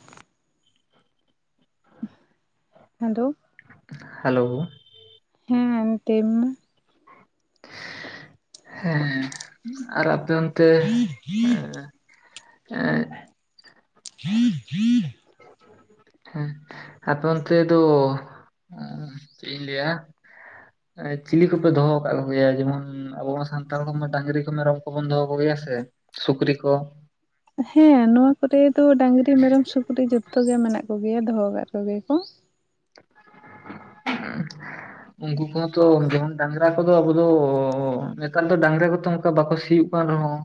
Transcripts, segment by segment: [inaudible] ᱟᱫᱚ? ᱦᱮᱞᱳ᱾ ᱦᱮᱸ ᱮᱱᱛᱮ ᱢᱟ ᱦᱮᱸ ᱟᱨ ᱟᱯᱮ ᱚᱱᱛᱮ ᱮᱸ, ᱮᱸ [inaudible] ᱦᱮᱸ ᱟᱯᱮ ᱚᱱᱛᱮ ᱫᱚ, ᱩᱸ ᱪᱮᱫ ᱤᱧ ᱞᱟᱹᱭᱟ, [inaudible] ᱮᱸ ᱪᱤᱞᱤ ᱠᱚᱯᱮ ᱫᱚᱦᱚ ᱟᱠᱟᱫ ᱠᱚᱜᱮᱭᱟ ᱡᱮᱢᱚᱱ ᱟᱵᱚ ᱢᱟ ᱥᱟᱱᱛᱟᱲ [inaudible] ᱰᱟᱝᱨᱤ ᱠᱚ ᱢᱮᱨᱚᱢ ᱠᱚᱵᱚᱱ ᱫᱚᱦᱚ ᱠᱚᱜᱮᱭᱟ ᱥᱮ᱾ ᱥᱩᱠᱨᱤ ᱠᱚ, ᱦᱮᱸ ᱱᱚᱶᱟ ᱠᱚᱨᱮ ᱫᱚ ᱰᱟᱹᱝᱨᱤ ᱢᱮᱨᱚᱢ ᱥᱩᱠᱨᱤ ᱡᱚᱛᱚ ᱜᱮ ᱢᱮᱱᱟᱜ ᱠᱚᱜᱮᱭᱟ ᱫᱚᱦᱚ ᱟᱠᱟᱫ ᱠᱚᱜᱮ-ᱟ ᱠᱚ᱾ [inaudible] ᱩᱱᱠᱩ ᱠᱚᱦᱚᱸ ᱛᱚ ᱡᱮᱢᱚᱱ ᱰᱟᱝᱨᱟ ᱠᱚᱫᱚ ᱟᱵᱚ ᱫᱚ ᱱᱮᱛᱟᱨ ᱫᱚ ᱰᱟᱝᱨᱟ ᱠᱚᱛᱚ ᱚᱱᱠᱟ ᱵᱟᱠᱚ ᱥᱤᱭᱳᱜ ᱠᱟᱱ ᱨᱮᱦᱚᱸ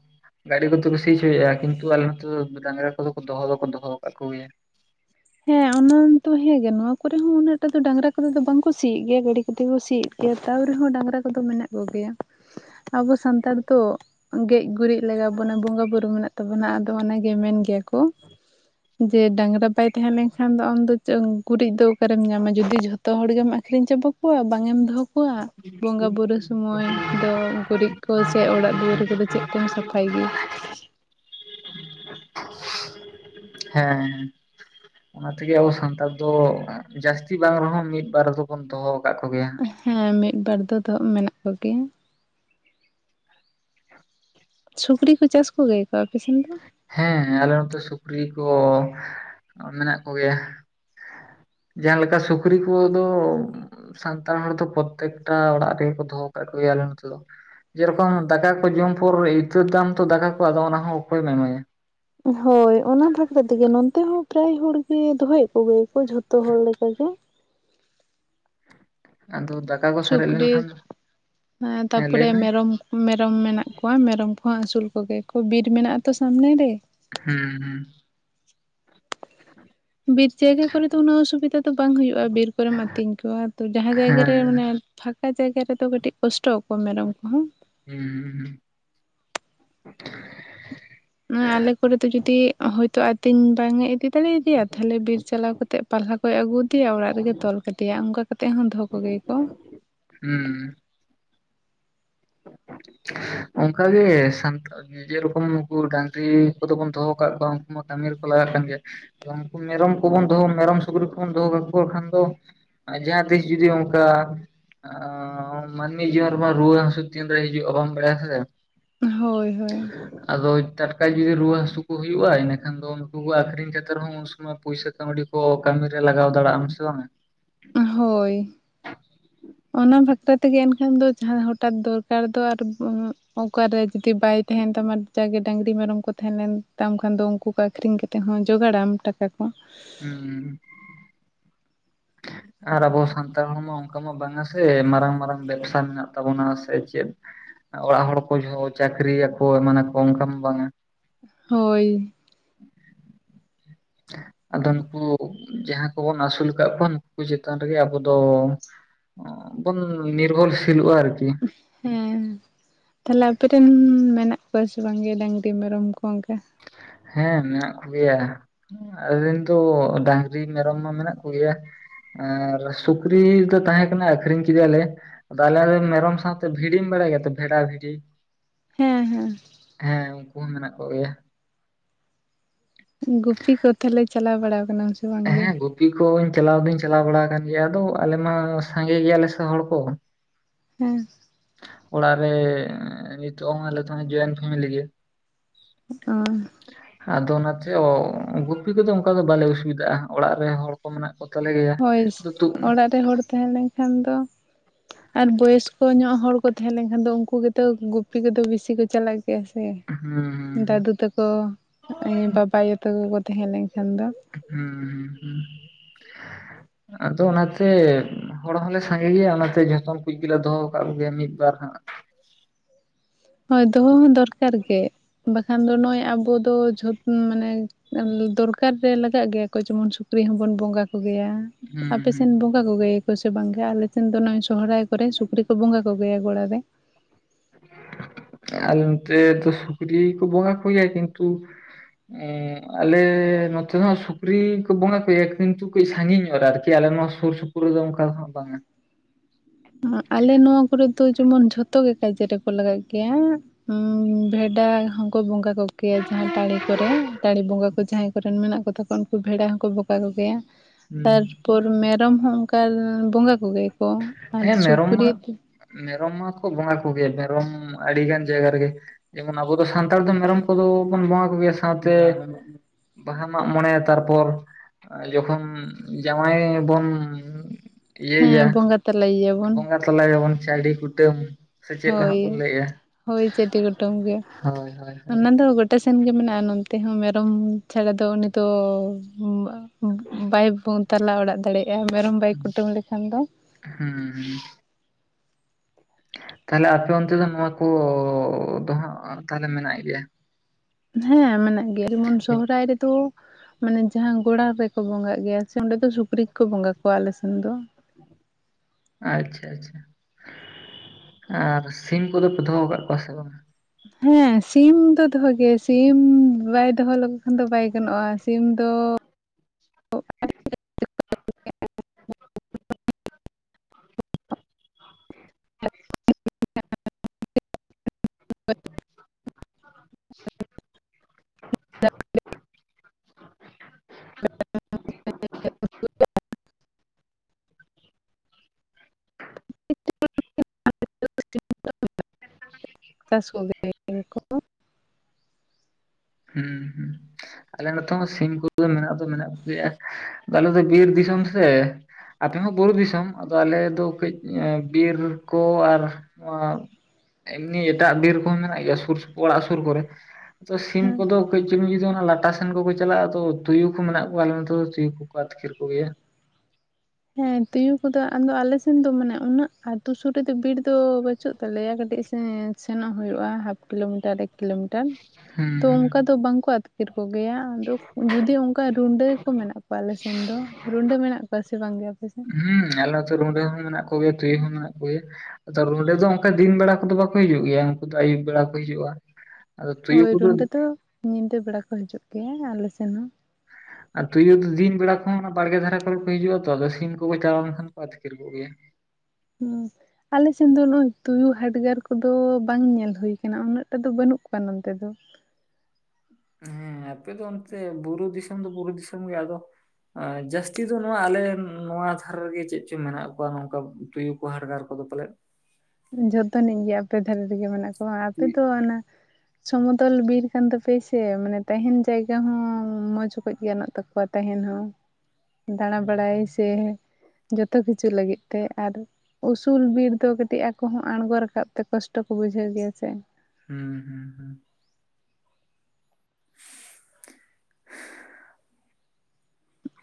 ᱜᱟᱹᱰᱤ ᱠᱚᱛᱮ ᱠᱚ ᱥᱤ ᱦᱚᱪᱚᱭᱮᱜ-ᱟ ᱠᱤᱱᱛᱩ ᱟᱞᱮ ᱱᱚᱛᱮ ᱫᱚ ᱰᱟᱝᱨᱟ ᱠᱚᱫᱚ ᱠᱚ ᱫᱚᱦᱚ ᱫᱚᱠᱚ ᱫᱚᱦᱚ ᱟᱠᱟᱫ ᱠᱚᱜᱮᱭᱟ᱾ ᱦᱮᱸ ᱚᱱᱟ ᱫᱚ ᱦᱮᱸ ᱜᱮ ᱱᱚᱣᱟ ᱠᱚᱨᱮ ᱦᱚᱸ ᱩᱱᱟᱹᱜ ᱴᱟᱹ ᱫᱚ ᱰᱟᱝᱨᱟ ᱠᱚᱛᱮ ᱫᱚ ᱵᱟᱝᱠᱚ ᱥᱤᱭᱮᱜ ᱜᱮᱭᱟ ᱜᱟᱹᱰᱤ ᱠᱚᱛᱮ ᱠᱚ ᱥᱤᱭᱮᱫ ᱛᱟᱣ ᱨᱮᱦᱚᱸ ᱰᱟᱝᱨᱟ ᱠᱚᱫᱚ ᱢᱮᱱᱟᱜ ᱠᱚᱜᱮᱭᱟ, ᱟᱵᱚ ᱥᱟᱱᱛᱟᱲ ᱫᱚ ᱜᱮᱡ ᱜᱩᱨᱤᱡ ᱞᱟᱜᱟᱣ ᱵᱚᱱᱟ ᱵᱚᱸᱜᱟ ᱵᱩᱹᱨᱩ ᱢᱮᱱᱟᱜ ᱛᱟᱹᱵᱚᱱᱟ ᱟᱫᱚᱹ ᱚᱱᱟᱜᱮ ᱢᱮᱱ ᱜᱮᱹᱭᱟ ᱠᱚ᱾ ᱡᱮ ᱰᱟᱝᱨᱟ ᱵᱟᱭ ᱛᱟᱦᱮᱸ ᱞᱮᱱᱠᱷᱟᱱ ᱫᱚ ᱟᱢ ᱫᱚ ᱪᱮᱫ ᱜᱩᱨᱤᱡ ᱫᱚ ᱚᱠᱟᱨᱮᱢ ᱧᱟᱸᱢᱟ ᱡᱩᱫᱤ ᱡᱷᱚᱛᱚ ᱦᱚᱲ ᱜᱮᱢ ᱟᱠᱷᱨᱹᱤᱧ ᱪᱟᱵᱟ ᱠᱚᱣᱟ ᱵᱟᱝ ᱮᱢ ᱫᱚᱦᱚ ᱠᱚᱣᱟ ᱵᱚᱸᱜᱟ ᱵᱩᱸᱨᱩ ᱥᱚᱢᱚᱭ ᱫᱚ ᱜᱩᱨᱤᱡ ᱠᱚ ᱥᱮ ᱚᱲᱟᱜ ᱫᱩᱭᱟᱹᱨ ᱠᱚᱫᱚ ᱪᱮᱫ ᱛᱮᱢ ᱥᱟᱯᱷᱟᱭ ᱜᱮᱭᱟ᱾ [inaudible] ᱦᱮᱸ ᱦᱮᱸ᱾ ᱚᱱᱟ ᱛᱮᱜᱮ ᱟᱵᱚ ᱥᱟᱱᱛᱟᱲ ᱫᱚ ᱡᱟᱹᱥᱛᱤ ᱵᱟᱝ ᱨᱮᱦᱚᱸ ᱢᱤᱫ ᱵᱟᱨ ᱫᱚᱵᱚᱱ ᱫᱚᱦᱚ ᱟᱠᱟᱫ ᱠᱚᱜᱮᱭᱟ᱾ ᱦᱮᱸ ᱢᱤᱫ ᱵᱟᱨ ᱫᱚ ᱫᱚᱦᱚ ᱢᱮᱱᱟᱜ ᱠᱚᱜᱮᱭᱟ᱾ ᱥᱩᱠᱨᱤ ᱠᱚ ᱪᱟᱥ ᱠᱚᱜᱮᱭᱟ ᱠᱚ ᱟᱯᱮ ᱥᱮᱱ ᱫᱚ? ᱦᱮᱸ ᱟᱞᱮ ᱱᱚᱛᱮ ᱥᱩᱠᱨᱤ ᱠᱚ ᱢᱮᱱᱟᱜ ᱠᱚᱜᱮᱭᱟ᱾ ᱡᱟᱦᱟᱸ ᱞᱮᱠᱟ ᱥᱩᱠᱨᱤ ᱠᱚ ᱫᱚ ᱥᱟᱱᱛᱟᱲ ᱦᱚᱲ ᱫᱚ ᱯᱨᱚᱛᱮᱠᱴᱟ ᱚᱲᱟᱜ ᱨᱮᱜᱮ ᱠᱚ ᱫᱚᱦᱚ ᱠᱟᱜ ᱠᱚᱜᱮᱭᱟ ᱟᱞᱮ ᱱᱚᱛᱮ ᱫᱚ᱾ ᱡᱮᱨᱚᱠᱚᱢ ᱫᱟᱠᱟ ᱠᱚ ᱡᱚᱢ ᱯᱚᱨ ᱤᱛᱟᱹᱫ ᱫᱟᱢ ᱛᱚ ᱫᱟᱠᱟ ᱠᱚ ᱟᱫᱚ ᱚᱱᱟ ᱦᱚᱸ ᱚᱠᱚᱭᱮᱢ ᱮᱢᱟᱭᱟ? ᱦᱳᱭ ᱚᱱᱟ ᱵᱟᱠᱷᱨᱟ ᱛᱮᱹᱜᱮ ᱱᱚᱱᱛᱮ ᱦᱚᱸ ᱯᱨᱟᱭ ᱦᱚᱲ ᱜᱮ ᱫᱚᱦᱚᱭᱮᱫ ᱠᱚᱜᱮᱭᱟᱠᱚ ᱡᱷᱚᱛᱚ ᱦᱚᱲ ᱞᱮᱠᱟᱜ ᱜᱮ᱾ ᱟᱫᱟ ᱫᱟ ᱥᱩᱠᱨᱤ ᱮᱸ ᱦᱮᱸ ᱞᱟᱹᱭ ᱛᱟᱯᱚᱨᱮ ᱢᱮ ᱢᱮᱨᱚᱢ᱾ ᱢᱮᱨᱚᱢ ᱢᱮᱱᱟᱜ ᱠᱚᱣᱟ ᱢᱮᱨᱚᱢ ᱠᱚᱦᱚᱸ ᱟᱹᱥᱩᱞ ᱠᱚᱜᱮᱭᱟ ᱠᱚ, ᱵᱤᱨ ᱢᱮᱱᱟᱜ-ᱟ ᱛᱚ ᱥᱟᱢᱱᱮ ᱨᱮ᱾ ᱦᱩᱸ ᱦᱩᱸ᱾ ᱵᱤᱨ ᱡᱟᱭᱜᱟ ᱠᱚᱨᱮ ᱫᱚ ᱩᱱᱟᱹᱜ ᱚᱥᱩᱵᱤᱫᱟ ᱫᱚ ᱵᱟᱝ ᱦᱩᱭᱩᱜ-ᱟ ᱵᱤᱨ ᱠᱚᱨᱮᱢ ᱟᱹᱛᱤᱧ ᱠᱚᱣᱟ ᱛᱚ ᱡᱟᱦᱟᱸ ᱦᱩᱸ ᱡᱟᱭᱜᱟ ᱨᱮ ᱦᱮᱸ ᱢᱟᱱᱮ ᱯᱷᱟᱸᱠᱟ ᱡᱟᱭᱜᱟ ᱨᱮᱫᱚ ᱠᱟᱹᱴᱤᱡ ᱠᱚᱥᱴᱚᱜ ᱟᱠᱚ ᱢᱮᱨᱚᱢ ᱠᱚᱦᱚᱸ᱾ ᱦᱩᱸ ᱦᱩᱸ᱾ ᱮᱸ ᱟᱞᱮ ᱠᱚᱨᱮ ᱫᱚ ᱡᱩᱫᱤ ᱦᱚᱭᱛᱳ ᱟᱛᱤᱧ ᱵᱟᱝ ᱮ ᱤᱫᱤ ᱫᱟᱲᱮᱭᱟᱫᱮᱭᱟ ᱛᱟᱦᱚᱞᱮ ᱵᱤᱨ ᱪᱟᱞᱟᱣ ᱠᱟᱛᱮᱫ ᱯᱟᱞᱦᱟ ᱠᱚᱭ ᱟᱹᱜᱩ ᱟᱫᱮᱭᱟᱭ ᱚᱲᱟᱜ ᱨᱮᱜᱮ ᱛᱚᱞ ᱠᱟᱫᱮᱭᱟᱭ, ᱚᱱᱠᱟ ᱠᱟᱛᱮᱫ ᱦᱚᱸ ᱫᱚᱦᱚ ᱠᱚᱜᱮᱭᱟ ᱠᱚ ᱾ ᱦᱩᱸ ᱾ ᱦ [inaudible] ᱚᱱᱠᱟ ᱜᱮ ᱥᱟᱱᱛᱟᱲ ᱡᱮᱨᱚᱠᱚᱢ ᱱᱩᱠᱩ ᱰᱟᱝᱨᱤ ᱠᱚᱫᱚ ᱵᱚᱱ ᱫᱚᱦᱚ ᱟᱠᱟᱫ ᱠᱚᱣᱟ ᱩᱱᱠᱩ ᱢᱟ ᱠᱟᱹᱢᱤ ᱨᱮᱠᱚ ᱞᱟᱹᱜᱟᱜ ᱠᱟᱱ ᱜᱮᱭᱟ ᱾ ᱩᱱᱠᱩ ᱢᱮᱨᱚᱢ ᱠᱚᱵᱚᱱ ᱫᱚᱦᱚ ᱢᱮᱨᱚᱢ ᱥᱩᱠᱨᱤ ᱠᱚᱵᱚᱱ ᱫᱚᱦᱚ ᱠᱟᱠᱚ ᱠᱷᱟᱱ ᱫᱚ ᱟᱨ ᱡᱟᱦᱟᱸ ᱛᱤᱥ ᱡᱩᱫᱤ ᱚᱝᱠᱟ ᱢᱟᱹᱱᱢᱤ ᱡᱤᱭᱚᱱ ᱨᱮᱢᱟ ᱨᱩᱣᱟᱹ ᱦᱟᱹᱥᱩ ᱛᱤᱱ ᱨᱮ ᱦᱤᱡᱩᱜᱼᱟ ᱵᱟᱢ ᱵᱟᱲᱟᱭᱟ ᱥᱮ! ᱦᱳᱭ ᱦᱳᱭ ᱟᱫᱚ ᱴᱟᱴᱠᱟ ᱡᱩᱫᱤ ᱨᱩᱣᱟᱹ ᱦᱟᱹᱥᱩ ᱠᱚ ᱦᱩᱭᱩᱜᱼᱟ ᱮᱱᱟᱠᱷᱟᱱ ᱫᱚ ᱩᱱᱠᱩ ᱠᱚ ᱟᱠᱷᱨᱤᱧ ᱠᱟᱛᱮ ᱨᱮᱦᱚᱸ ᱩᱱ ᱥᱚᱢᱚᱭ ᱯᱩᱭᱥᱟ ᱠᱟᱹᱣᱰᱤ ᱠᱚ ᱠᱟᱹᱢᱤ ᱨᱮ ᱞᱟᱜᱟᱣ ᱫᱟᱲᱮᱭᱟᱜ ᱟᱢ ᱥᱮ ᱵᱟᱝᱼᱟ! ᱦᱳᱭ ᱾ ᱚᱱᱟ ᱵᱷᱟᱠᱛᱟ ᱛᱮᱜᱮ ᱮᱱᱠᱷᱟᱱ ᱫᱚ ᱡᱟᱦᱟᱸ ᱦᱚᱴᱟᱛ ᱫᱚᱨᱠᱟᱨ ᱫᱚ ᱟᱨ ᱚᱠᱟᱨᱮ ᱡᱩᱫᱤ ᱵᱟᱭ ᱛᱟᱦᱮᱱ ᱛᱟᱢᱟ ᱡᱟᱜᱮ ᱰᱟᱝᱨᱤ ᱢᱮᱨᱚᱢ ᱠᱚ ᱛᱟᱦᱮᱸ ᱞᱮᱱ ᱛᱟᱢ ᱠᱷᱟᱱ ᱫᱚ ᱩᱱᱠᱩ ᱠᱚ ᱟᱹᱠᱷᱨᱤᱧ ᱠᱟᱛᱮᱫ ᱦᱚᱸ ᱡᱚᱜᱟᱲᱟᱢ ᱴᱟᱠᱟ ᱠᱚ ᱾ ᱦᱩᱸ ᱦᱩᱸ ᱾ ᱟᱨ ᱟᱵᱚ ᱥᱟᱱᱛᱟᱲ ᱦᱚᱲᱢᱟ ᱚᱱᱠᱟ ᱢᱟ ᱵᱟᱝᱼᱟ ᱥᱮ ᱢᱟᱨᱟᱝ ᱢᱟᱨᱟᱝ ᱵᱮᱵᱽᱥᱟ ᱢᱮᱱᱟᱜ ᱛᱟᱵᱚᱱᱟ ᱥᱮ ᱪᱮᱫ? ᱚᱲᱟᱜ ᱦᱚᱲ ᱠᱚ ᱡᱷᱚᱦᱚ ᱪᱟᱹᱠᱨᱤᱭᱟᱠᱚ ᱮᱢᱟᱱᱟᱠᱚ ᱚᱱᱠᱟᱢᱟ ᱵᱟᱝᱟ ᱾ ᱦᱳᱭ ᱾ ᱟᱫᱚ ᱩᱱᱠᱩ ᱡᱟᱦᱟᱸ ᱠᱚᱵᱚᱱ ᱟᱹᱥᱩᱞ ᱟᱠᱟᱫ ᱠᱚᱣᱟ ᱱᱩᱠᱩ ᱠᱚ ᱪᱮᱛᱟᱱ ᱨᱮᱜᱮ ᱟᱵᱚ ᱫᱚ ᱵᱚᱱ ᱱᱤᱨᱵᱷᱚᱨᱥᱤᱞᱚᱜᱼᱟ ᱟᱨᱠᱤ ᱾ ᱦᱮᱸ, ᱛᱟᱦᱚᱞᱮ ᱟᱯᱮ ᱨᱮᱱ ᱢᱮᱱᱟᱜ ᱠᱚᱣᱟ ᱥᱮ ᱵᱟᱝᱜᱮ ᱰᱟᱹᱝᱨᱤ ᱢᱮᱨᱚᱢ ᱠᱚ ᱚᱱᱠᱟ? ᱦᱮᱸ ᱢᱮᱱᱟᱜ ᱠᱚᱜᱮᱭᱟ, ᱟᱞᱮ ᱨᱮᱱ ᱫᱚ ᱰᱟᱝᱨᱤ ᱢᱮᱨᱚᱢ ᱢᱟ ᱢᱮᱱᱟᱜ ᱠᱚᱜᱮᱭᱟ ᱾ ᱟᱨ ᱥᱩᱠᱨᱤ ᱫᱚ ᱛᱟᱦᱮᱸ ᱠᱟᱱᱟ ᱟᱠᱷᱨᱤᱧ ᱠᱮᱫᱮᱭᱟᱞᱮ ᱾ ᱟᱫᱚ ᱟᱞᱮᱨᱮᱱ ᱢᱮᱨᱚᱢ ᱥᱟᱶᱛᱮ ᱵᱷᱤᱰᱤᱢ ᱵᱟᱲᱟᱭ ᱜᱮᱭᱟᱛᱚ ᱵᱷᱮᱰᱟ ᱵᱷᱤᱰᱤ? ᱦᱮᱸ ᱦᱮᱸ ᱾ ᱦᱮᱸ, ᱩᱱᱠᱩ ᱦᱚᱸ ᱢᱮᱱᱟᱜ ᱠᱚᱜᱮᱭᱟ ᱾ ᱜᱩᱯᱤ ᱠᱚ ᱛᱟᱦᱚᱞᱮ ᱪᱟᱞᱟᱣ ᱵᱟᱲᱟ ᱟᱠᱟᱱᱟᱢ ᱥᱮ ᱵᱟᱝᱜᱮ? ᱜᱩᱵᱤ ᱠᱚ ᱪᱟᱞᱟᱣ ᱫᱩᱧ ᱪᱟᱞᱟᱣ ᱵᱟᱲᱟ ᱠᱟᱱᱟᱱ ᱜᱮᱭᱟ, ᱟᱫᱚ ᱟᱞᱮ ᱢᱟ ᱥᱟᱸᱜᱮ ᱜᱮᱭᱟᱞᱮ ᱥᱮ ᱦᱚᱲ ᱠᱚ ᱾ ᱦᱮᱸ ᱾ ᱚᱲᱟᱜ ᱨᱮ ᱱᱤᱛᱟᱜ ᱦᱚᱸ ᱟᱞᱮᱫᱚ ᱦᱟᱸᱜ ᱡᱚᱭᱮᱱᱴ ᱯᱷᱮᱢᱮᱞᱤ ᱜᱮ ᱾ ᱚ ᱾ ᱟᱫᱚ ᱚᱱᱟᱛᱮ ᱚ ᱜᱩᱯᱤ ᱠᱚᱫᱚ ᱚᱝᱠᱟ ᱫᱚ ᱵᱟᱞᱮ ᱚᱥᱩᱵᱤᱫᱜᱼᱟ, ᱚᱲᱟᱜ ᱨᱮ ᱦᱚᱲ ᱠᱚ ᱢᱮᱱᱟᱜ ᱠᱚ ᱛᱟᱞᱮ ᱜᱮᱭᱟ, ᱟᱫᱚ ᱛᱩᱜ ᱛᱮ ᱦᱚᱲ ᱛᱟᱦᱮ ᱞᱮᱝ ᱠᱷᱟᱱ ᱫᱚ ᱟᱨ ᱵᱚᱭᱚᱥᱠᱚ ᱧᱚᱜ ᱦᱚᱲ ᱠᱚ ᱛᱟᱦᱮᱸ ᱞᱮᱱᱠᱷᱟᱱ ᱫᱚ ᱩᱱᱠᱩ ᱜᱮᱛᱚ ᱜᱩᱯᱤ ᱠᱚᱫᱚ ᱵᱮᱥᱤ ᱠᱚ ᱪᱟᱞᱟᱜ ᱜᱮᱭᱟ ᱥᱮ, ᱦᱩᱸ ᱫᱟᱫᱩ ᱛᱟᱠᱚ ᱟᱹ ᱵᱟᱵᱟ ᱟᱭᱳ ᱛᱮᱠᱚᱠᱚ ᱛᱟᱦᱮᱸ ᱞᱮᱱᱠᱷᱟᱱ ᱫᱚ ᱾ ᱦᱩᱸ ᱦᱩᱸ ᱦᱩᱸ ᱾ [inaudible] ᱟᱫᱚ ᱚᱱᱟᱛᱮ ᱦᱚᱲ ᱦᱚᱸᱞᱮ ᱥᱟᱸᱜᱮ ᱜᱮᱭᱟ ᱚᱱᱟᱛᱮ ᱡᱷᱚᱛᱚᱱ ᱠᱩᱡ ᱜᱮᱞᱮ ᱫᱚᱦᱚ ᱟᱠᱟᱫ ᱠᱚᱜᱮᱭᱟ ᱢᱤᱫᱵᱟᱨ ᱦᱟᱸᱜ ᱾ ᱦᱳᱭ ᱫᱚᱦᱚ ᱦᱚᱸ ᱫᱚᱨᱠᱟᱨ ᱜᱮ, ᱵᱟᱠᱷᱟᱱ ᱫᱚ ᱱᱚᱜᱼᱚᱭ ᱟᱵᱚ ᱫᱚ ᱡᱷᱚᱛ ᱢᱟᱱᱮ ᱫᱚᱨᱠᱟᱨ ᱨᱮ ᱞᱟᱜᱟᱜ ᱜᱮᱭᱟ ᱠᱚ ᱡᱮᱢᱚᱱ ᱥᱩᱠᱨᱤ ᱦᱚᱸᱵᱚᱱ ᱵᱚᱸᱜᱟ ᱠᱚᱜᱮᱭᱟ ᱦᱩᱸ ᱾ ᱦᱩᱸ ᱟᱯᱮᱥᱮᱱ ᱵᱚᱸ ᱜᱟ ᱠᱚᱜᱮᱭᱟ ᱠᱚ ᱥᱮ ᱵᱟᱝᱜᱮ? ᱟᱞᱮ ᱥᱮᱱ ᱫᱚ ᱱᱚᱜᱼᱚᱭ ᱥᱚᱦᱨᱟᱭ ᱠᱚᱨᱮ ᱥᱩᱠᱨᱤ ᱠᱚ ᱵᱚᱸᱜᱟ ᱠᱚᱜᱮᱭᱟ ᱜᱚᱲᱟ ᱨᱮ ᱾ [inaudible] ᱟᱞᱮ ᱚᱱᱛᱮ ᱫᱚ ᱥᱩᱠᱨᱤ ᱠᱚ ᱵᱚᱸᱜᱟ ᱠᱚᱜᱮᱭᱟ ᱠᱤᱱᱛᱩ, ᱟᱞᱮ ᱱᱚᱛᱮ ᱫᱚᱦᱟᱸᱜ ᱥᱩᱠᱨᱤ ᱠᱚ ᱵᱚᱸᱜᱟ ᱠᱚᱜᱮᱭᱟ ᱠᱤᱱᱛᱩ ᱠᱟᱹᱡ ᱥᱟᱺᱜᱤᱧ ᱧᱚᱜ ᱨᱮ ᱟᱨᱠᱤ ᱟᱞᱮ ᱱᱚᱣᱟᱼᱼ ᱥᱩᱨ ᱥᱩᱯᱩᱨ ᱨᱮᱫᱚ ᱚᱱᱠᱟ ᱫᱚ ᱦᱟᱸᱜ ᱵᱟᱝᱟ᱾ ᱟᱞᱮ ᱱᱚᱣᱟ ᱠᱚᱨᱮ ᱫᱚ ᱡᱮᱢᱚᱱ ᱡᱷᱚᱛᱚ ᱜᱮ ᱠᱟᱡᱮ ᱨᱮᱠᱚ ᱞᱟᱜᱟᱜ ᱜᱮᱭᱟ᱾ ᱵᱷᱮᱰᱟ ᱦᱚᱸᱠᱚ ᱵᱚᱸᱜᱟ ᱠᱚᱜᱮᱭᱟ ᱡᱟᱦᱟᱸ ᱴᱟᱸᱲᱤ ᱠᱚᱨᱮ ᱴᱟᱸᱲᱤ ᱵᱚᱸᱜᱟ ᱠᱚ ᱡᱟᱦᱟᱸᱭ ᱠᱚᱨᱮᱱ ᱢᱮᱱᱟᱜ ᱠᱚᱛᱟ ᱠᱚᱣᱟ᱾ ᱩᱱᱠᱩ ᱵᱷᱮᱲᱟ ᱦᱚᱸᱠᱚ ᱵᱚᱠᱟ ᱠᱚᱜᱮᱭᱟ᱾ ᱛᱟᱨᱯᱚᱨ ᱢᱮᱨᱚᱢ ᱦᱚᱸ ᱚᱱᱠᱟ ᱵᱚᱸᱜᱟ ᱠᱚᱜᱮᱭᱟᱠᱚ᱾ ᱟᱨ ᱦᱮᱸ ᱢᱮᱨᱚᱢ ᱥᱩᱠᱨᱤ ᱢᱟ ᱢᱮᱨᱚᱢ ᱢᱟᱠᱚ ᱵᱚᱸᱜᱟ ᱠᱚᱜᱮ ᱢᱮᱨᱚᱢ ᱟᱹᱰᱤ ᱜᱟᱱ ᱡᱟᱭᱜᱟ ᱨᱮᱜᱮᱼᱼ ᱡᱮᱢᱚᱱ ᱟᱵᱚ ᱫᱚ ᱥᱟᱱᱛᱟᱲ ᱫᱚ ᱢᱮᱨᱚᱢ ᱠᱚᱫᱚ ᱵᱚᱱ ᱵᱚᱸᱜᱟ ᱠᱚᱜᱮᱭᱟ ᱥᱟᱶᱛᱮᱼᱼ ᱵᱟᱦᱟ ᱢᱟᱜ ᱢᱚᱬᱮ ᱛᱟᱨᱯᱚᱨᱼᱼ ᱡᱚᱠᱷᱚᱱ ᱡᱟᱸᱶᱟᱭ ᱵᱚᱱᱼᱼ ᱦᱮᱸ ᱵᱚᱸᱜᱟ ᱛᱮᱟᱞᱟᱹᱭᱮᱭᱟ ᱵᱚᱱ᱾ ᱛᱟᱞᱟᱭᱮᱭᱟᱵᱚᱱ ᱪᱟᱰᱤ ᱠᱩᱴᱟᱹᱢᱼᱼ ᱦᱳᱭ ᱦᱳᱭ ᱪᱟᱹᱰᱤ ᱠᱩᱴᱩᱢ ᱜᱮ ᱦᱳᱭ ᱦᱳᱭ ᱦᱳᱭ ᱚᱱᱟ ᱫᱚ ᱜᱚᱴᱼᱼ ᱟᱯᱮ ᱥᱮᱱ ᱜᱮ ᱢᱮᱱᱟᱜᱼᱟ ᱱᱚᱱᱛᱮ ᱦᱚᱸ ᱢᱮᱨᱚᱢ ᱪᱷᱟᱲᱟ ᱫᱚ ᱩᱱᱤ ᱫᱚ ᱵᱟᱭ ᱛᱟᱞᱟ ᱚᱲᱟᱜ ᱫᱟᱲᱮᱭᱟᱜᱼᱟ ᱢᱮᱨᱚᱢ ᱵᱟᱭ ᱠᱩᱴᱟᱹᱢ ᱞᱮᱠᱷᱟᱱ ᱫᱚ ᱾ ᱦᱩᱸ ᱦᱩᱸ᱾ ᱛᱟᱦᱞᱮ ᱟᱯᱮ ᱚᱱᱛᱮ ᱫᱚ ᱱᱚᱣᱟ ᱠᱚ ᱫᱚ ᱦᱟᱸᱜ ᱛᱟᱦᱚᱞᱮ ᱢᱮᱱᱟᱜ ᱜᱮᱭᱟ ᱾ ᱦᱮᱸ ᱢᱮᱱᱟᱜ ᱜᱮᱭᱟ ᱡᱮᱢᱚᱱ ᱥᱚᱦᱨᱟᱭ ᱨᱮᱫᱚ ᱢᱟᱱᱮ ᱡᱟᱦᱟᱸ ᱜᱚᱲᱟ ᱨᱮᱠᱚ ᱵᱚᱸᱜᱟᱜ ᱜᱮᱭᱟ ᱥᱮ ᱚᱸᱰᱮ ᱫᱚ ᱥᱩᱠᱨᱤ ᱠᱚᱠᱚ ᱵᱚᱸᱜᱟ ᱠᱚᱣᱟ ᱟᱞᱮᱥᱮᱱ ᱫᱚ ᱾ ᱟᱪᱷᱟ ᱟᱪᱷᱟ ᱟᱨ ᱥᱤᱢ ᱠᱚᱫᱚ ᱯᱮ ᱫᱚᱦᱚ ᱟᱠᱟᱫ ᱠᱚᱣᱟ ᱥᱮ ᱵᱟᱝ? ᱦᱮᱸ ᱥᱤᱢ ᱫᱚ ᱫᱚᱦᱚ ᱜᱮ ᱥᱤᱢ ᱵᱟᱭ ᱫᱚᱦᱚ ᱞᱮᱠᱚ ᱠᱷᱟᱱ ᱫᱚ ᱵᱟᱭ ᱜᱟᱱᱚᱜᱼᱟ ᱥᱤᱢ ᱫᱚ ᱛᱚ [unintelligible] [unintelligible] [unintelligible] ᱪᱟᱥ ᱠᱚᱜᱮ ᱾ [inaudible] [unintelligible] ᱦᱩᱸ ᱦᱩᱸ ᱾ ᱟᱞᱮ ᱱᱚᱛᱮ ᱦᱚᱸ ᱥᱤᱢ ᱠᱚ ᱫᱚ ᱢᱮᱱᱟᱜ ᱫᱚ ᱢᱮᱱᱟᱜ ᱠᱚᱜᱮᱭᱟ ᱟᱞᱮ ᱫᱚ ᱵᱤᱨ ᱫᱤᱥᱚᱢ ᱥᱮ ᱾ ᱟᱯᱮ ᱦᱚᱸ ᱵᱩᱨᱩ ᱫᱤᱥᱚᱢ ᱟᱫᱚ ᱟᱞᱮ ᱫᱚ ᱠᱟᱹᱡ ᱵᱤᱨ ᱠᱚ ᱟᱨ ᱱᱚᱣᱟ ᱮᱢᱱᱤ ᱮᱴᱟᱜ ᱵᱤᱨ ᱠᱚᱦᱚᱸ ᱢᱮᱱᱟᱜ ᱜᱮᱭᱟ ᱥᱩᱨ ᱥᱩᱯᱩ ᱚᱲᱟᱜ ᱥᱩᱨ ᱠᱚᱨᱮ ᱛᱚ ᱥᱤᱢ ᱠᱩᱫᱚ ᱠᱟᱹᱡ ᱪᱩᱞᱩᱝ ᱡᱩᱫᱤ ᱚᱱᱟ ᱞᱟᱴᱟ ᱥᱮᱱ ᱠᱚᱠᱚ ᱪᱟᱞᱟᱜᱼᱟ ᱛᱚ ᱛᱩᱭᱩ ᱠᱚ ᱢᱮᱱᱟᱜ ᱠᱚᱣᱟᱞᱮ ᱱᱚᱛᱚ ᱫᱚ ᱛᱩᱭᱩ ᱠᱚ ᱟᱹᱛᱠᱤᱨ ᱠᱚᱜᱮᱭᱟ ᱾ ᱦᱮᱸ ᱛᱩᱭᱩ ᱠᱚᱫᱚ ᱟᱫᱚ ᱟᱞᱮ ᱥᱮᱱ ᱫᱚ ᱢᱟᱱᱮ ᱩᱱᱟᱹᱜ ᱟᱛᱩ ᱥᱩᱨ ᱨᱮᱫᱚ ᱵᱤᱨ ᱫᱚ ᱵᱟᱹᱪᱩᱜ ᱛᱟᱞᱮᱭᱟ ᱠᱟᱹᱴᱤᱡ ᱥᱮᱱᱚᱜ ᱦᱩᱭᱩᱜᱼᱟ ᱦᱟᱯ ᱠᱤᱞᱳᱢᱤᱴᱟᱨ ᱮᱠ ᱠᱤᱞᱳᱢᱤᱴᱟᱨ ᱛᱚ ᱦᱩᱸ ᱚᱱᱠᱟ ᱫᱚ ᱵᱟᱝᱠᱚ ᱟᱛ ᱟᱛᱠᱤᱨ ᱠᱚᱜᱮᱭᱟ ᱟᱫᱚ ᱡᱩᱫᱤ ᱚᱱᱠᱟ ᱨᱩᱰᱟᱹ ᱠᱚ ᱢᱮᱱᱟᱜ ᱠᱚᱣᱟ ᱟᱞᱮ ᱥᱮᱱ ᱫᱚ ᱨᱩᱰᱟᱹ ᱢᱮᱱᱟᱜ ᱠᱚᱣᱟ ᱥᱮ ᱾ ᱥᱮ ᱵᱟᱝ ᱜᱮ? ᱦᱩᱸ ᱟᱞᱮ ᱱᱚᱛᱮ ᱨᱩᱰᱟᱹ ᱦᱚᱸ ᱢᱮᱱᱟᱜ ᱠᱚᱜᱮᱭᱟ ᱛᱩᱭᱩ ᱦᱚᱸ ᱢᱮᱱᱟᱜ ᱠᱚᱜᱮᱭᱟ ᱾ ᱛᱟᱨ ᱵᱚᱞᱮ ᱫᱚ ᱚᱱᱠᱟ ᱫᱤᱱ ᱵᱮᱲᱟ ᱠᱚᱫᱚ ᱵᱟᱠᱚ ᱦᱤᱡᱩᱜ ᱜᱮᱭᱟ ᱩᱱᱠᱩ ᱫᱚ ᱟᱹᱭᱩᱵ ᱵᱮᱲᱟ ᱠᱚ ᱦᱤᱡᱩᱜᱼᱟ ᱾ ᱦᱳᱭ ᱨᱩᱸᱰᱟᱹ ᱫᱚ ᱧᱤᱫᱟᱹ ᱵᱮᱲᱟ ᱠᱚ ᱦᱤᱡᱩᱜ ᱜᱮᱭᱟ ᱟᱞᱮ ᱥᱮᱱ ᱦᱚᱸ ᱾ ᱟᱨ ᱛᱩᱭᱩ ᱫᱚ ᱫᱤᱱ ᱵᱮᱲᱟ ᱠᱚᱦᱚᱸ ᱚᱱᱟ ᱵᱟᱲᱜᱮ ᱫᱷᱟᱨᱮ ᱠᱚᱨᱮ ᱠᱚ ᱦᱤᱡᱩᱜᱼᱟ ᱛᱚ ᱟᱫᱚ ᱥᱤᱢ ᱠᱚᱠᱚ ᱪᱟᱞᱟᱣ ᱞᱮᱱᱠᱷᱟᱱ ᱠᱚ ᱟᱹᱛᱠᱤᱨ ᱠᱚᱣᱟ ᱾ [unintelligible] ᱦᱩᱸ᱾ ᱟᱞᱮ ᱥᱮᱱ ᱫᱚ ᱱᱚᱜᱼᱚᱭ ᱛᱩᱭᱩ ᱦᱟᱰᱜᱟᱨ ᱠᱚᱫᱚ ᱵᱟᱝ ᱧᱮᱞ ᱦᱩᱭ ᱟᱠᱟᱱᱟ ᱩᱱᱟᱹᱜᱴᱟ ᱫᱚ ᱵᱟᱹᱱᱩᱜ ᱠᱚᱣᱟ ᱱᱚᱱᱛᱮ ᱫᱚ ᱾ ᱦᱮᱸ ᱟᱯᱮ ᱫᱚ ᱚᱱᱛᱮ ᱵᱩᱨᱩ ᱫᱤᱥᱚᱢ ᱫᱚ ᱵᱩᱨᱩ ᱫᱤᱥᱚᱢ ᱜᱮ ᱟᱫᱚ ᱡᱟᱹᱥᱛᱤ ᱫᱚ ᱱᱚᱣᱟ ᱟᱞᱮ ᱱᱚᱣᱟ ᱫᱷᱟᱨᱮ ᱨᱮᱜᱮ ᱪᱮᱫ ᱪᱚ ᱢᱮᱱᱟᱜ ᱠᱚᱣᱟ ᱱᱚᱝᱠᱟ ᱛᱩᱭᱩ ᱠᱩ ᱦᱟᱰᱜᱟᱨ ᱠᱚᱫᱚ ᱯᱟᱞᱮᱫ ᱾ ᱡᱚᱛᱚᱱᱤᱡ ᱜᱮ ᱟᱯᱮ ᱫᱷᱟᱨᱮ ᱨᱮᱜᱮ ᱢᱮᱱᱟᱜ ᱠᱚᱣᱟ ᱟᱯᱮ ᱦᱩᱸ ᱫᱚ ᱚᱱᱟ ᱥᱚᱢᱚᱛᱚᱞ ᱵᱤᱨ ᱠᱟᱱ ᱛᱟᱯᱮᱭᱟ ᱥᱮ ᱢᱟᱱᱮ ᱛᱟᱦᱮᱱ ᱡᱟᱭᱜᱟ ᱦᱚᱸ ᱢᱚᱸᱡᱽ ᱚᱠᱚᱡ ᱜᱮ ᱜᱟᱱᱚᱜ ᱛᱟᱠᱚᱣᱟ ᱾ ᱛᱟᱦᱮᱱ ᱦᱚᱸ ᱫᱟᱬᱟ ᱵᱟᱲᱟᱭ ᱥᱮ ᱡᱚᱛᱚ ᱠᱤᱪᱷᱩ ᱞᱟᱹᱜᱤᱫ ᱛᱮ ᱟᱨ ᱩᱥᱩᱞ ᱵᱤᱨ ᱫᱚ ᱠᱟᱹᱴᱤᱡ ᱠᱚᱦᱚᱸ ᱟᱬᱜᱚ ᱨᱟᱠᱟᱵ ᱛᱮ ᱠᱚᱥᱴᱚ ᱠᱚ ᱵᱩᱡᱷᱟᱹᱣ ᱜᱮᱭᱟ ᱥᱮ ᱾ ᱦᱩᱸ ᱦᱩᱸ ᱦᱩᱸ᱾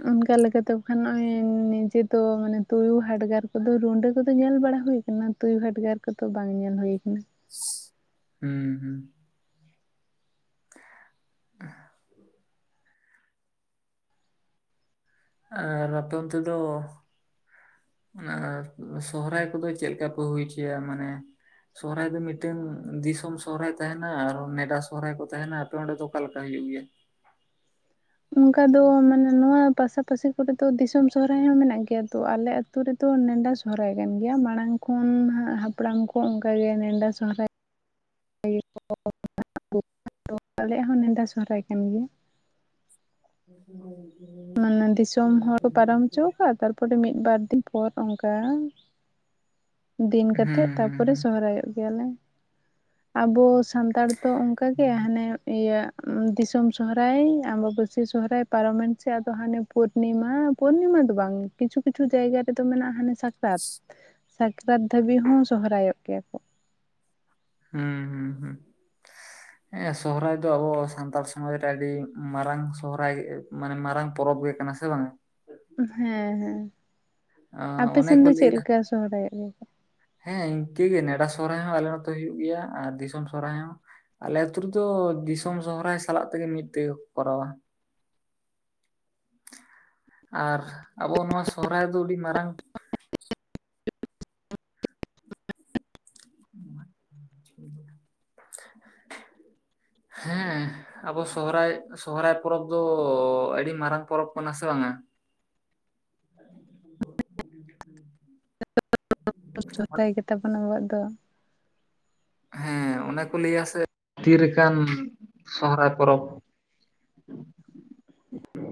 ᱚᱱᱠᱟ ᱞᱮᱠᱟᱛᱮ ᱵᱟᱠᱷᱟᱱ ᱱᱚᱜᱚᱭ ᱱᱤᱡᱮ ᱫᱚ ᱢᱟᱱᱮ ᱛᱩᱭᱩ ᱦᱟᱰᱜᱟᱨ ᱠᱚᱫᱚ ᱨᱩᱸᱰᱟᱹ ᱠᱚᱫᱚ ᱧᱮᱞ ᱵᱟᱲᱟ ᱦᱩᱭ ᱚᱱᱟ ᱛᱩᱭᱩ ᱦᱟᱰᱜᱟᱨ ᱠᱚᱫᱚ ᱵᱟᱝ ᱧᱮᱞ ᱦᱩᱭᱩ ᱟᱠᱟᱱᱟ᱾ ᱦᱩᱸ ᱦᱩᱸ᱾ [unintelligible] ᱟᱨ ᱟᱯᱮ ᱚᱱᱛᱮ ᱫᱚ ᱟᱨ ᱥᱚᱦᱨᱟᱭ ᱠᱚᱫᱚ ᱪᱮᱫ ᱞᱮᱠᱟ ᱯᱮ ᱦᱩᱭ ᱦᱚᱪᱚᱭᱟ ᱢᱟᱱᱮ ᱥᱚᱦᱨᱟᱭ ᱫᱚ ᱢᱤᱫᱴᱮᱱ ᱫᱤᱥᱚᱢ ᱥᱚᱦᱨᱟᱭ ᱛᱟᱦᱮᱱᱟ ᱟᱨ ᱱᱮᱰᱟ ᱥᱚᱦᱦᱟᱭ ᱠᱚ ᱛᱟᱦᱮᱱᱟ ᱟᱯᱮ ᱚᱸᱰᱮ ᱫᱚ ᱚᱠᱟ ᱞᱮᱠᱟ ᱦᱩᱭᱩᱜ ᱜᱮᱭᱟ? ᱚᱱᱠᱟ ᱫᱚ ᱢᱟᱱᱮ ᱱᱚᱣᱟ ᱯᱟᱥᱟᱯᱟᱥᱤ ᱠᱚᱨᱮ ᱫᱚ ᱫᱤᱥᱚᱢ ᱥᱚᱦᱨᱟᱭ ᱦᱚᱸ ᱢᱮᱱᱟᱜ ᱜᱮᱭᱟ ᱛᱚ ᱟᱞᱮ ᱟᱹᱛᱩ ᱟᱛᱳ ᱨᱮᱫᱚ ᱱᱮᱰᱟ ᱥᱚᱦᱨᱟᱭ ᱠᱟᱱ ᱜᱮᱭᱟ ᱢᱟᱲᱟᱝ ᱠᱷᱚᱱ ᱦᱟᱯᱲᱟᱢ ᱠᱚ ᱚᱱᱠᱟ ᱜᱮ ᱱᱮᱰᱟ ᱥᱚᱦᱨᱟᱭ ᱟᱞᱮᱭᱟᱜ ᱦᱚᱸ ᱱᱮᱰᱟ ᱥᱚᱦᱚᱨᱟᱭ ᱠᱟᱱ ᱜᱮᱭᱟ᱾ [inaudible] [inaudible] ᱯᱚᱨᱮ ᱢᱤᱫ ᱵᱟᱨ ᱫᱤᱱ ᱯᱚᱨ ᱚᱝᱠᱟᱼᱼ ᱫᱤᱱ ᱦᱩᱸ ᱠᱟᱛᱮᱜ ᱦᱩᱸ ᱛᱟᱯᱚᱨᱮ ᱦᱩᱸ ᱥᱚᱦᱚᱨᱟᱭᱚᱜ ᱜᱮᱭᱟᱞᱮ᱾ ᱟᱵᱚ ᱥᱟᱱᱛᱟᱲ ᱫᱚ ᱚᱝᱠᱟ ᱜᱮ ᱦᱟᱱᱮ ᱤᱭᱟᱹ ᱫᱤᱥᱚᱢ ᱥᱚᱦᱚᱨᱟᱭ, ᱟᱢᱵᱟᱵᱟᱹᱥᱤᱭᱟᱹ ᱥᱚᱦᱚᱨᱟᱭ᱾ ᱯᱟᱨᱚᱢᱮᱱ ᱥᱮ ᱟᱫᱚ ᱦᱟᱱᱮ ᱯᱩᱨᱱᱤᱢᱟ, ᱯᱩᱨᱱᱤᱢᱟ ᱫᱚ ᱵᱟᱝ ᱠᱤᱪᱷᱩ ᱠᱤᱪᱷᱩ ᱡᱟᱭᱜᱟ ᱨᱮᱫᱚ ᱢᱮᱱᱟᱜᱼᱟ ᱦᱟᱱᱮ ᱥᱟᱠᱨᱟᱛ ᱥᱟᱠᱨᱟᱛ ᱫᱷᱟᱹᱵᱤᱡ ᱦᱚᱸ ᱥᱚᱦᱚᱨᱟᱭᱚᱜ ᱜᱮᱭᱟ ᱠᱚ᱾ ᱦᱩᱸ ᱦᱩᱸ ᱦᱩᱸ᱾ [unintelligible] ᱦᱮᱸ ᱥᱚᱦᱚᱨᱟᱭ ᱫᱚ ᱟᱵᱚ ᱥᱟᱱᱛᱟᱲ ᱥᱚᱢᱟᱡᱽ ᱨᱮ ᱟᱹᱰᱤ ᱢᱟᱨᱟᱝ ᱥᱚᱦᱚᱨᱟᱭ ᱢᱟᱱᱮ ᱢᱟᱨᱟᱝ ᱯᱚᱨᱚᱵᱽ ᱜᱮ ᱠᱟᱱᱟ ᱥᱮ ᱵᱟᱝ᱾ ᱦᱮᱸ ᱦᱮᱸ ᱟᱸ ᱚᱱᱮ ᱟᱯᱮᱥᱮᱱ ᱠᱚ ᱫᱚ ᱪᱮᱜ ᱞᱟᱹᱭᱟ ᱞᱮᱠᱟ ᱥᱚᱦᱚᱨᱟᱭᱚᱜ ᱜᱮ ᱠᱚ᱾ ᱦᱮᱸ ᱤᱝᱠᱟᱹᱜᱮ ᱱᱮᱰᱟ ᱥᱚᱦᱚᱨᱟᱭ ᱦᱚᱸ ᱟᱞᱮ ᱱᱚᱛᱮ ᱦᱩᱭᱩᱜ ᱜᱮᱭᱟ ᱟᱨ ᱫᱤᱥᱚᱢ ᱥᱚᱦᱚᱨᱟᱭ ᱦᱚᱸ᱾ ᱟᱞᱮ ᱟᱹᱛᱩ ᱨᱮᱫᱚ ᱫᱤᱥᱚᱢ ᱥᱚᱦᱚᱨᱟᱭ ᱥᱟᱞᱟᱜ ᱛᱮᱜᱮ ᱢᱤᱫ ᱛᱮᱜᱮ ᱠᱚ ᱠᱚᱨᱟᱣᱟ᱾ [unintelligible] ᱟᱨ ᱟᱵᱚ ᱱᱚᱣᱟ ᱥᱚᱦᱚᱨᱟᱭ ᱫᱚ ᱟᱹᱰᱤ ᱢᱟᱨᱟᱝ᱾ [unintelligible] ᱦᱮᱸᱼᱼ ᱟᱵᱚ ᱥᱚᱦᱚᱨᱟᱭ ᱥᱚᱦᱚᱨᱟᱭ ᱯᱚᱨᱚᱵᱽ ᱫᱚ ᱟᱹᱰᱤ ᱢᱟᱨᱟᱝ ᱯᱚᱨᱚᱵᱽ ᱠᱟᱱᱟ ᱥᱮ ᱵᱟᱝᱟ᱾ [unintelligible] ᱥᱚᱦᱚᱨᱟᱭ ᱜᱮᱛᱟ ᱵᱚᱱᱟ ᱟᱵᱚᱣᱟᱜ ᱫᱚ᱾ [inaudible] ᱦᱮᱸ ᱚᱱᱮ ᱠᱚ ᱞᱟᱹᱭᱟ ᱥᱮ ᱛᱤᱨᱮᱠᱟᱱ ᱥᱚᱦᱚᱨᱟᱭ ᱯᱚᱨᱚᱵᱽ᱾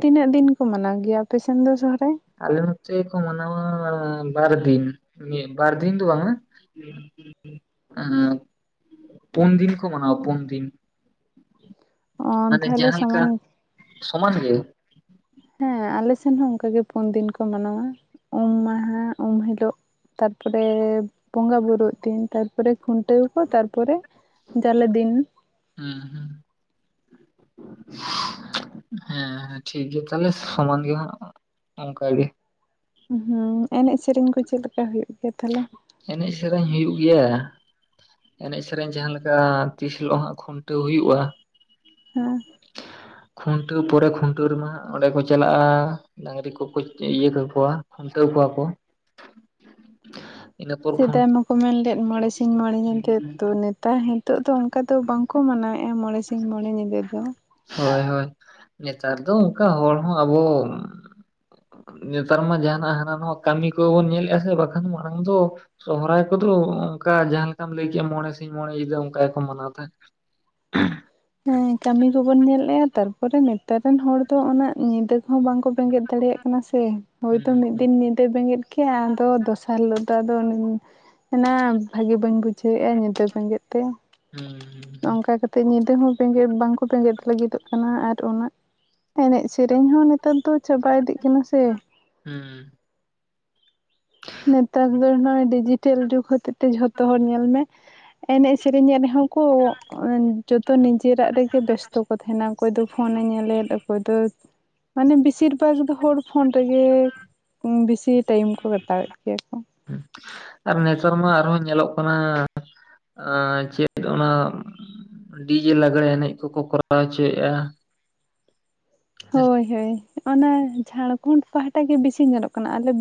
ᱛᱤᱱᱟᱹᱜ ᱫᱤᱱ ᱠᱚ ᱢᱟᱱᱟᱣ ᱜᱮᱭᱟ ᱟᱯᱮ ᱥᱮᱱ ᱫᱚ ᱥᱚᱦᱚᱨᱟᱭ᱾ ᱟᱞᱮ ᱱᱚᱛᱮ ᱠᱚ ᱢᱟᱱᱟᱣᱟ ᱵᱟᱨ ᱫᱤᱱ, ᱵᱟᱨ ᱫᱤᱱ ᱫᱚ ᱵᱟᱝᱼᱟ ᱯᱳᱱ ᱫᱤᱱ ᱠᱚ ᱢᱟᱱᱟᱣᱟ ᱯᱳᱱ ᱫᱤᱱ᱾ ᱚ ᱢᱟᱱᱮ ᱛᱟᱦᱚᱞᱮ ᱡᱟᱦᱟᱸ ᱞᱮᱠᱟ ᱥᱚᱢᱟᱱ ᱥᱚᱢᱟᱱ ᱜᱮ᱾ ᱦᱮᱸ, ᱟᱞᱮ ᱥᱮᱱ ᱦᱚᱸ ᱚᱝᱠᱟ ᱜᱮ ᱯᱳᱱ ᱫᱤᱱ ᱠᱚ ᱢᱟᱱᱟᱣᱟ ᱩᱢ ᱢᱟᱦᱟ, ᱩᱢ ᱦᱤᱞᱳᱜ ᱛᱟᱨᱯᱚᱨᱮ ᱵᱚᱸᱜᱟ ᱵᱩᱨᱩᱜ ᱫᱤᱱ, ᱛᱟᱨᱯᱚᱨᱮ ᱠᱷᱩᱱᱴᱟᱹᱣ ᱠᱚ ᱛᱟᱨ ᱯᱚᱨᱮ ᱡᱟᱞᱮ ᱫᱤᱱ᱾ ᱦᱩᱸ ᱦᱩᱸ, ᱦᱮᱸ ᱦᱮᱸ ᱴᱷᱤᱠ ᱜᱮ ᱛᱟᱦᱚᱞᱮ ᱥᱚᱢᱟᱱ ᱜᱮ ᱦᱟᱸᱜ ᱚᱝᱠᱟ ᱜᱮ᱾ ᱦᱩᱸ ᱮᱱᱮᱡ ᱥᱮᱨᱮᱧ ᱠᱚ ᱪᱮᱫ ᱞᱮᱠᱟ ᱦᱳᱭᱳᱜ ᱜᱮᱭᱟ ᱛᱟᱦᱚᱞᱮ᱾ ᱮᱱᱮᱡ ᱥᱮᱨᱮᱧ ᱦᱩᱭᱩᱜ ᱜᱮᱭᱟ ᱾ ᱮᱱᱮᱡ ᱥᱮᱨᱮᱧ ᱡᱟᱦᱟᱸ ᱞᱮᱠᱟ ᱛᱤᱥ ᱦᱤᱞᱳᱜ ᱦᱟᱸᱜ ᱠᱷᱩᱱᱴᱟᱹᱣ ᱦᱩᱭᱩᱜᱼᱟ᱾ ᱦᱩᱸ, ᱠᱷᱩᱱᱴᱟᱹᱣ ᱯᱚᱨᱮ ᱠᱷᱩᱱᱴᱟᱹᱣ ᱨᱮᱢᱟ ᱚᱸᱰᱮ ᱠᱚ ᱪᱟᱞᱟᱜᱼᱟ ᱾ ᱰᱟᱝᱨᱤ ᱠᱚ ᱠᱚ ᱤᱭᱟᱹ ᱠᱟᱠᱚᱣᱟ ᱠᱷᱩᱱᱴᱟᱹᱣ ᱠᱚᱣᱟ ᱠᱚ᱾ ᱤᱱᱟᱹ ᱯᱚᱨ ᱠᱷᱩᱱ ᱥᱮᱫᱟᱭ ᱢᱟᱠᱚ ᱢᱮᱱ ᱞᱮᱫ ᱢᱚᱬᱮ ᱥᱤᱧ ᱢᱚᱬᱮ ᱧᱤᱫᱟᱹ ᱛᱚ ᱱᱮᱛᱟᱨ ᱦᱤᱛᱳᱜ ᱫᱚ ᱚᱝᱠᱟ ᱫᱚ ᱵᱟᱝᱠᱚ ᱢᱟᱱᱟᱣᱮᱜᱼᱟ, ᱢᱚᱬᱮ ᱥᱤᱧ ᱢᱚᱬᱮ ᱧᱤᱫᱟᱹ ᱫᱚ ᱾ ᱦᱚᱭ ᱦᱚᱭ, ᱱᱮᱛᱟᱨ ᱫᱚ ᱚᱝᱠᱟ ᱦᱚᱲ ᱦᱚᱸ ᱟᱵᱚ ᱱᱮᱛᱟᱨ ᱢᱟ ᱡᱟᱦᱟᱸᱱᱟᱜ ᱦᱟᱱᱟ ᱱᱚᱣᱟ ᱠᱟᱹᱢᱤ ᱠᱚᱵᱚᱱ ᱧᱮᱞᱮᱜᱼᱟ ᱥᱮ ᱵᱟᱠᱷᱟᱱ ᱢᱟᱲᱟᱝ ᱫᱚ ᱥᱚᱦᱚᱨᱟᱭ ᱠᱚ ᱫᱚ ᱚᱝᱠᱟ ᱡᱟᱦᱟᱸ ᱞᱮᱠᱟᱢ ᱞᱟᱹᱭ ᱠᱮᱜᱼᱟ ᱢᱚᱬᱮ ᱥᱤᱧ ᱢᱚᱬᱮ ᱧᱤᱫᱟᱹ ᱚᱝᱠᱟ ᱜᱮᱠᱚ ᱢᱟᱱᱟᱣ ᱛᱟᱦᱮᱸᱫ᱾ [unintelligible] ᱦᱮᱸ ᱠᱟᱹᱢᱤ ᱠᱚᱵᱚᱱ ᱧᱮᱞᱮᱜᱼᱟ ᱛᱟᱨᱯᱚᱨᱮ ᱱᱮᱛᱟᱨ ᱨᱮᱱ ᱦᱚᱲ ᱫᱚ ᱩᱱᱟᱹᱜ ᱧᱤᱫᱟᱹ ᱠᱚ ᱦᱚᱸ ᱵᱟᱝᱠᱚ ᱵᱮᱸᱜᱮᱫ ᱫᱟᱲᱮᱭᱟᱜ ᱠᱟᱱᱟ ᱥᱮ, ᱦᱩᱸ ᱦᱳᱭᱛᱳ ᱢᱤᱫ ᱦᱩᱸ ᱫᱤᱱ ᱧᱤᱫᱟᱹᱭ ᱵᱮᱸᱜᱮᱫ ᱠᱮᱜ-ᱟ ᱟᱫᱚ ᱫᱚᱥᱟᱨ ᱦᱤᱞᱳᱜ ᱫᱚ ᱟᱫᱚ- ᱮᱱᱟ ᱵᱷᱟᱜᱮ ᱵᱟᱹᱧ ᱵᱩᱡᱷᱟᱹᱣᱮᱜᱼᱟ ᱧᱤᱫᱟᱹ ᱵᱮᱸᱜᱮᱫ ᱛᱮ᱾ ᱦᱩᱸ ᱦᱩᱸ, ᱚᱝᱠᱟ ᱠᱟᱛᱮ ᱧᱤᱫᱟᱹ ᱦᱚᱸ ᱵᱮᱸᱜᱮᱫ ᱵᱟᱝ ᱠᱚ ᱵᱮᱸᱜᱮᱫ ᱞᱟᱹᱜᱤᱫᱚᱜ ᱠᱟᱱᱟ, ᱟᱨ ᱩᱱᱟᱹᱜ ᱮᱱᱮᱡ ᱥᱮᱨᱮᱧ ᱦᱚᱸ ᱱᱮᱛᱟᱨ ᱫᱚ ᱪᱟᱵᱟ ᱤᱫᱤᱜ ᱠᱟᱱᱟ ᱥᱮ ᱾ ᱦᱮᱸ, ᱱᱮᱛᱟᱨ ᱫᱚ ᱱᱚᱜ-ᱚᱭ ᱰᱤᱡᱤᱴᱮᱞ ᱡᱩᱜᱽ ᱦᱚᱛᱮᱛᱮ ᱡᱷᱚᱛᱚ ᱦᱚᱲ ᱧᱮᱞ ᱢᱮ ᱮᱱᱮᱡ ᱥᱮᱨᱮᱧᱮᱫ ᱨᱮᱦᱚᱸᱢ ᱠᱳᱻ ᱡᱚᱛᱚ ᱱᱤᱡᱮᱨᱟᱜ ᱨᱮ ᱜᱮ ᱵᱮᱥᱛᱚ ᱠᱚ ᱛᱟᱦᱮᱱᱟ ᱚᱠᱚᱭ ᱫᱚ ᱯᱷᱳᱱᱮ ᱧᱮᱞᱮᱫ ᱚᱠᱚᱭ ᱫᱚ ᱢᱟᱱᱮ ᱵᱮᱥᱤᱨ ᱵᱷᱟᱜᱽ ᱫᱚ ᱦᱚᱲ ᱯᱷᱳᱱ ᱨᱮᱜᱮ, ᱵᱮᱥᱤ ᱴᱟᱭᱤᱢ ᱠᱚ ᱛᱟᱣᱮᱫ ᱜᱮᱭᱟ ᱠᱚ, ᱟᱨ ᱱᱮᱛᱟᱨ ᱢᱟ ᱟᱨ ᱦᱚᱸ ᱧᱮᱞᱚᱜ ᱠᱟᱱᱟ ᱾ ᱟᱸᱻ ᱪᱮᱫ ᱚᱱᱟ ᱰᱤᱡᱮ ᱞᱟᱜᱽᱲᱮ ᱮᱱᱮᱡ ᱠᱚ ᱠᱚ ᱠᱚᱨᱟᱣ ᱦᱚᱪᱚᱭᱮᱜ-ᱟ ᱾ ᱦᱳᱭ ᱦᱳᱭ ᱚᱱᱟ ᱡᱷᱟᱲᱠᱷᱚᱸᱱ ᱯᱟᱦᱴᱟ ᱜᱮ ᱵᱮᱥᱤ ᱧᱮᱞᱚᱜ ᱠᱟᱱᱟ ᱟᱞᱮ ᱵᱮ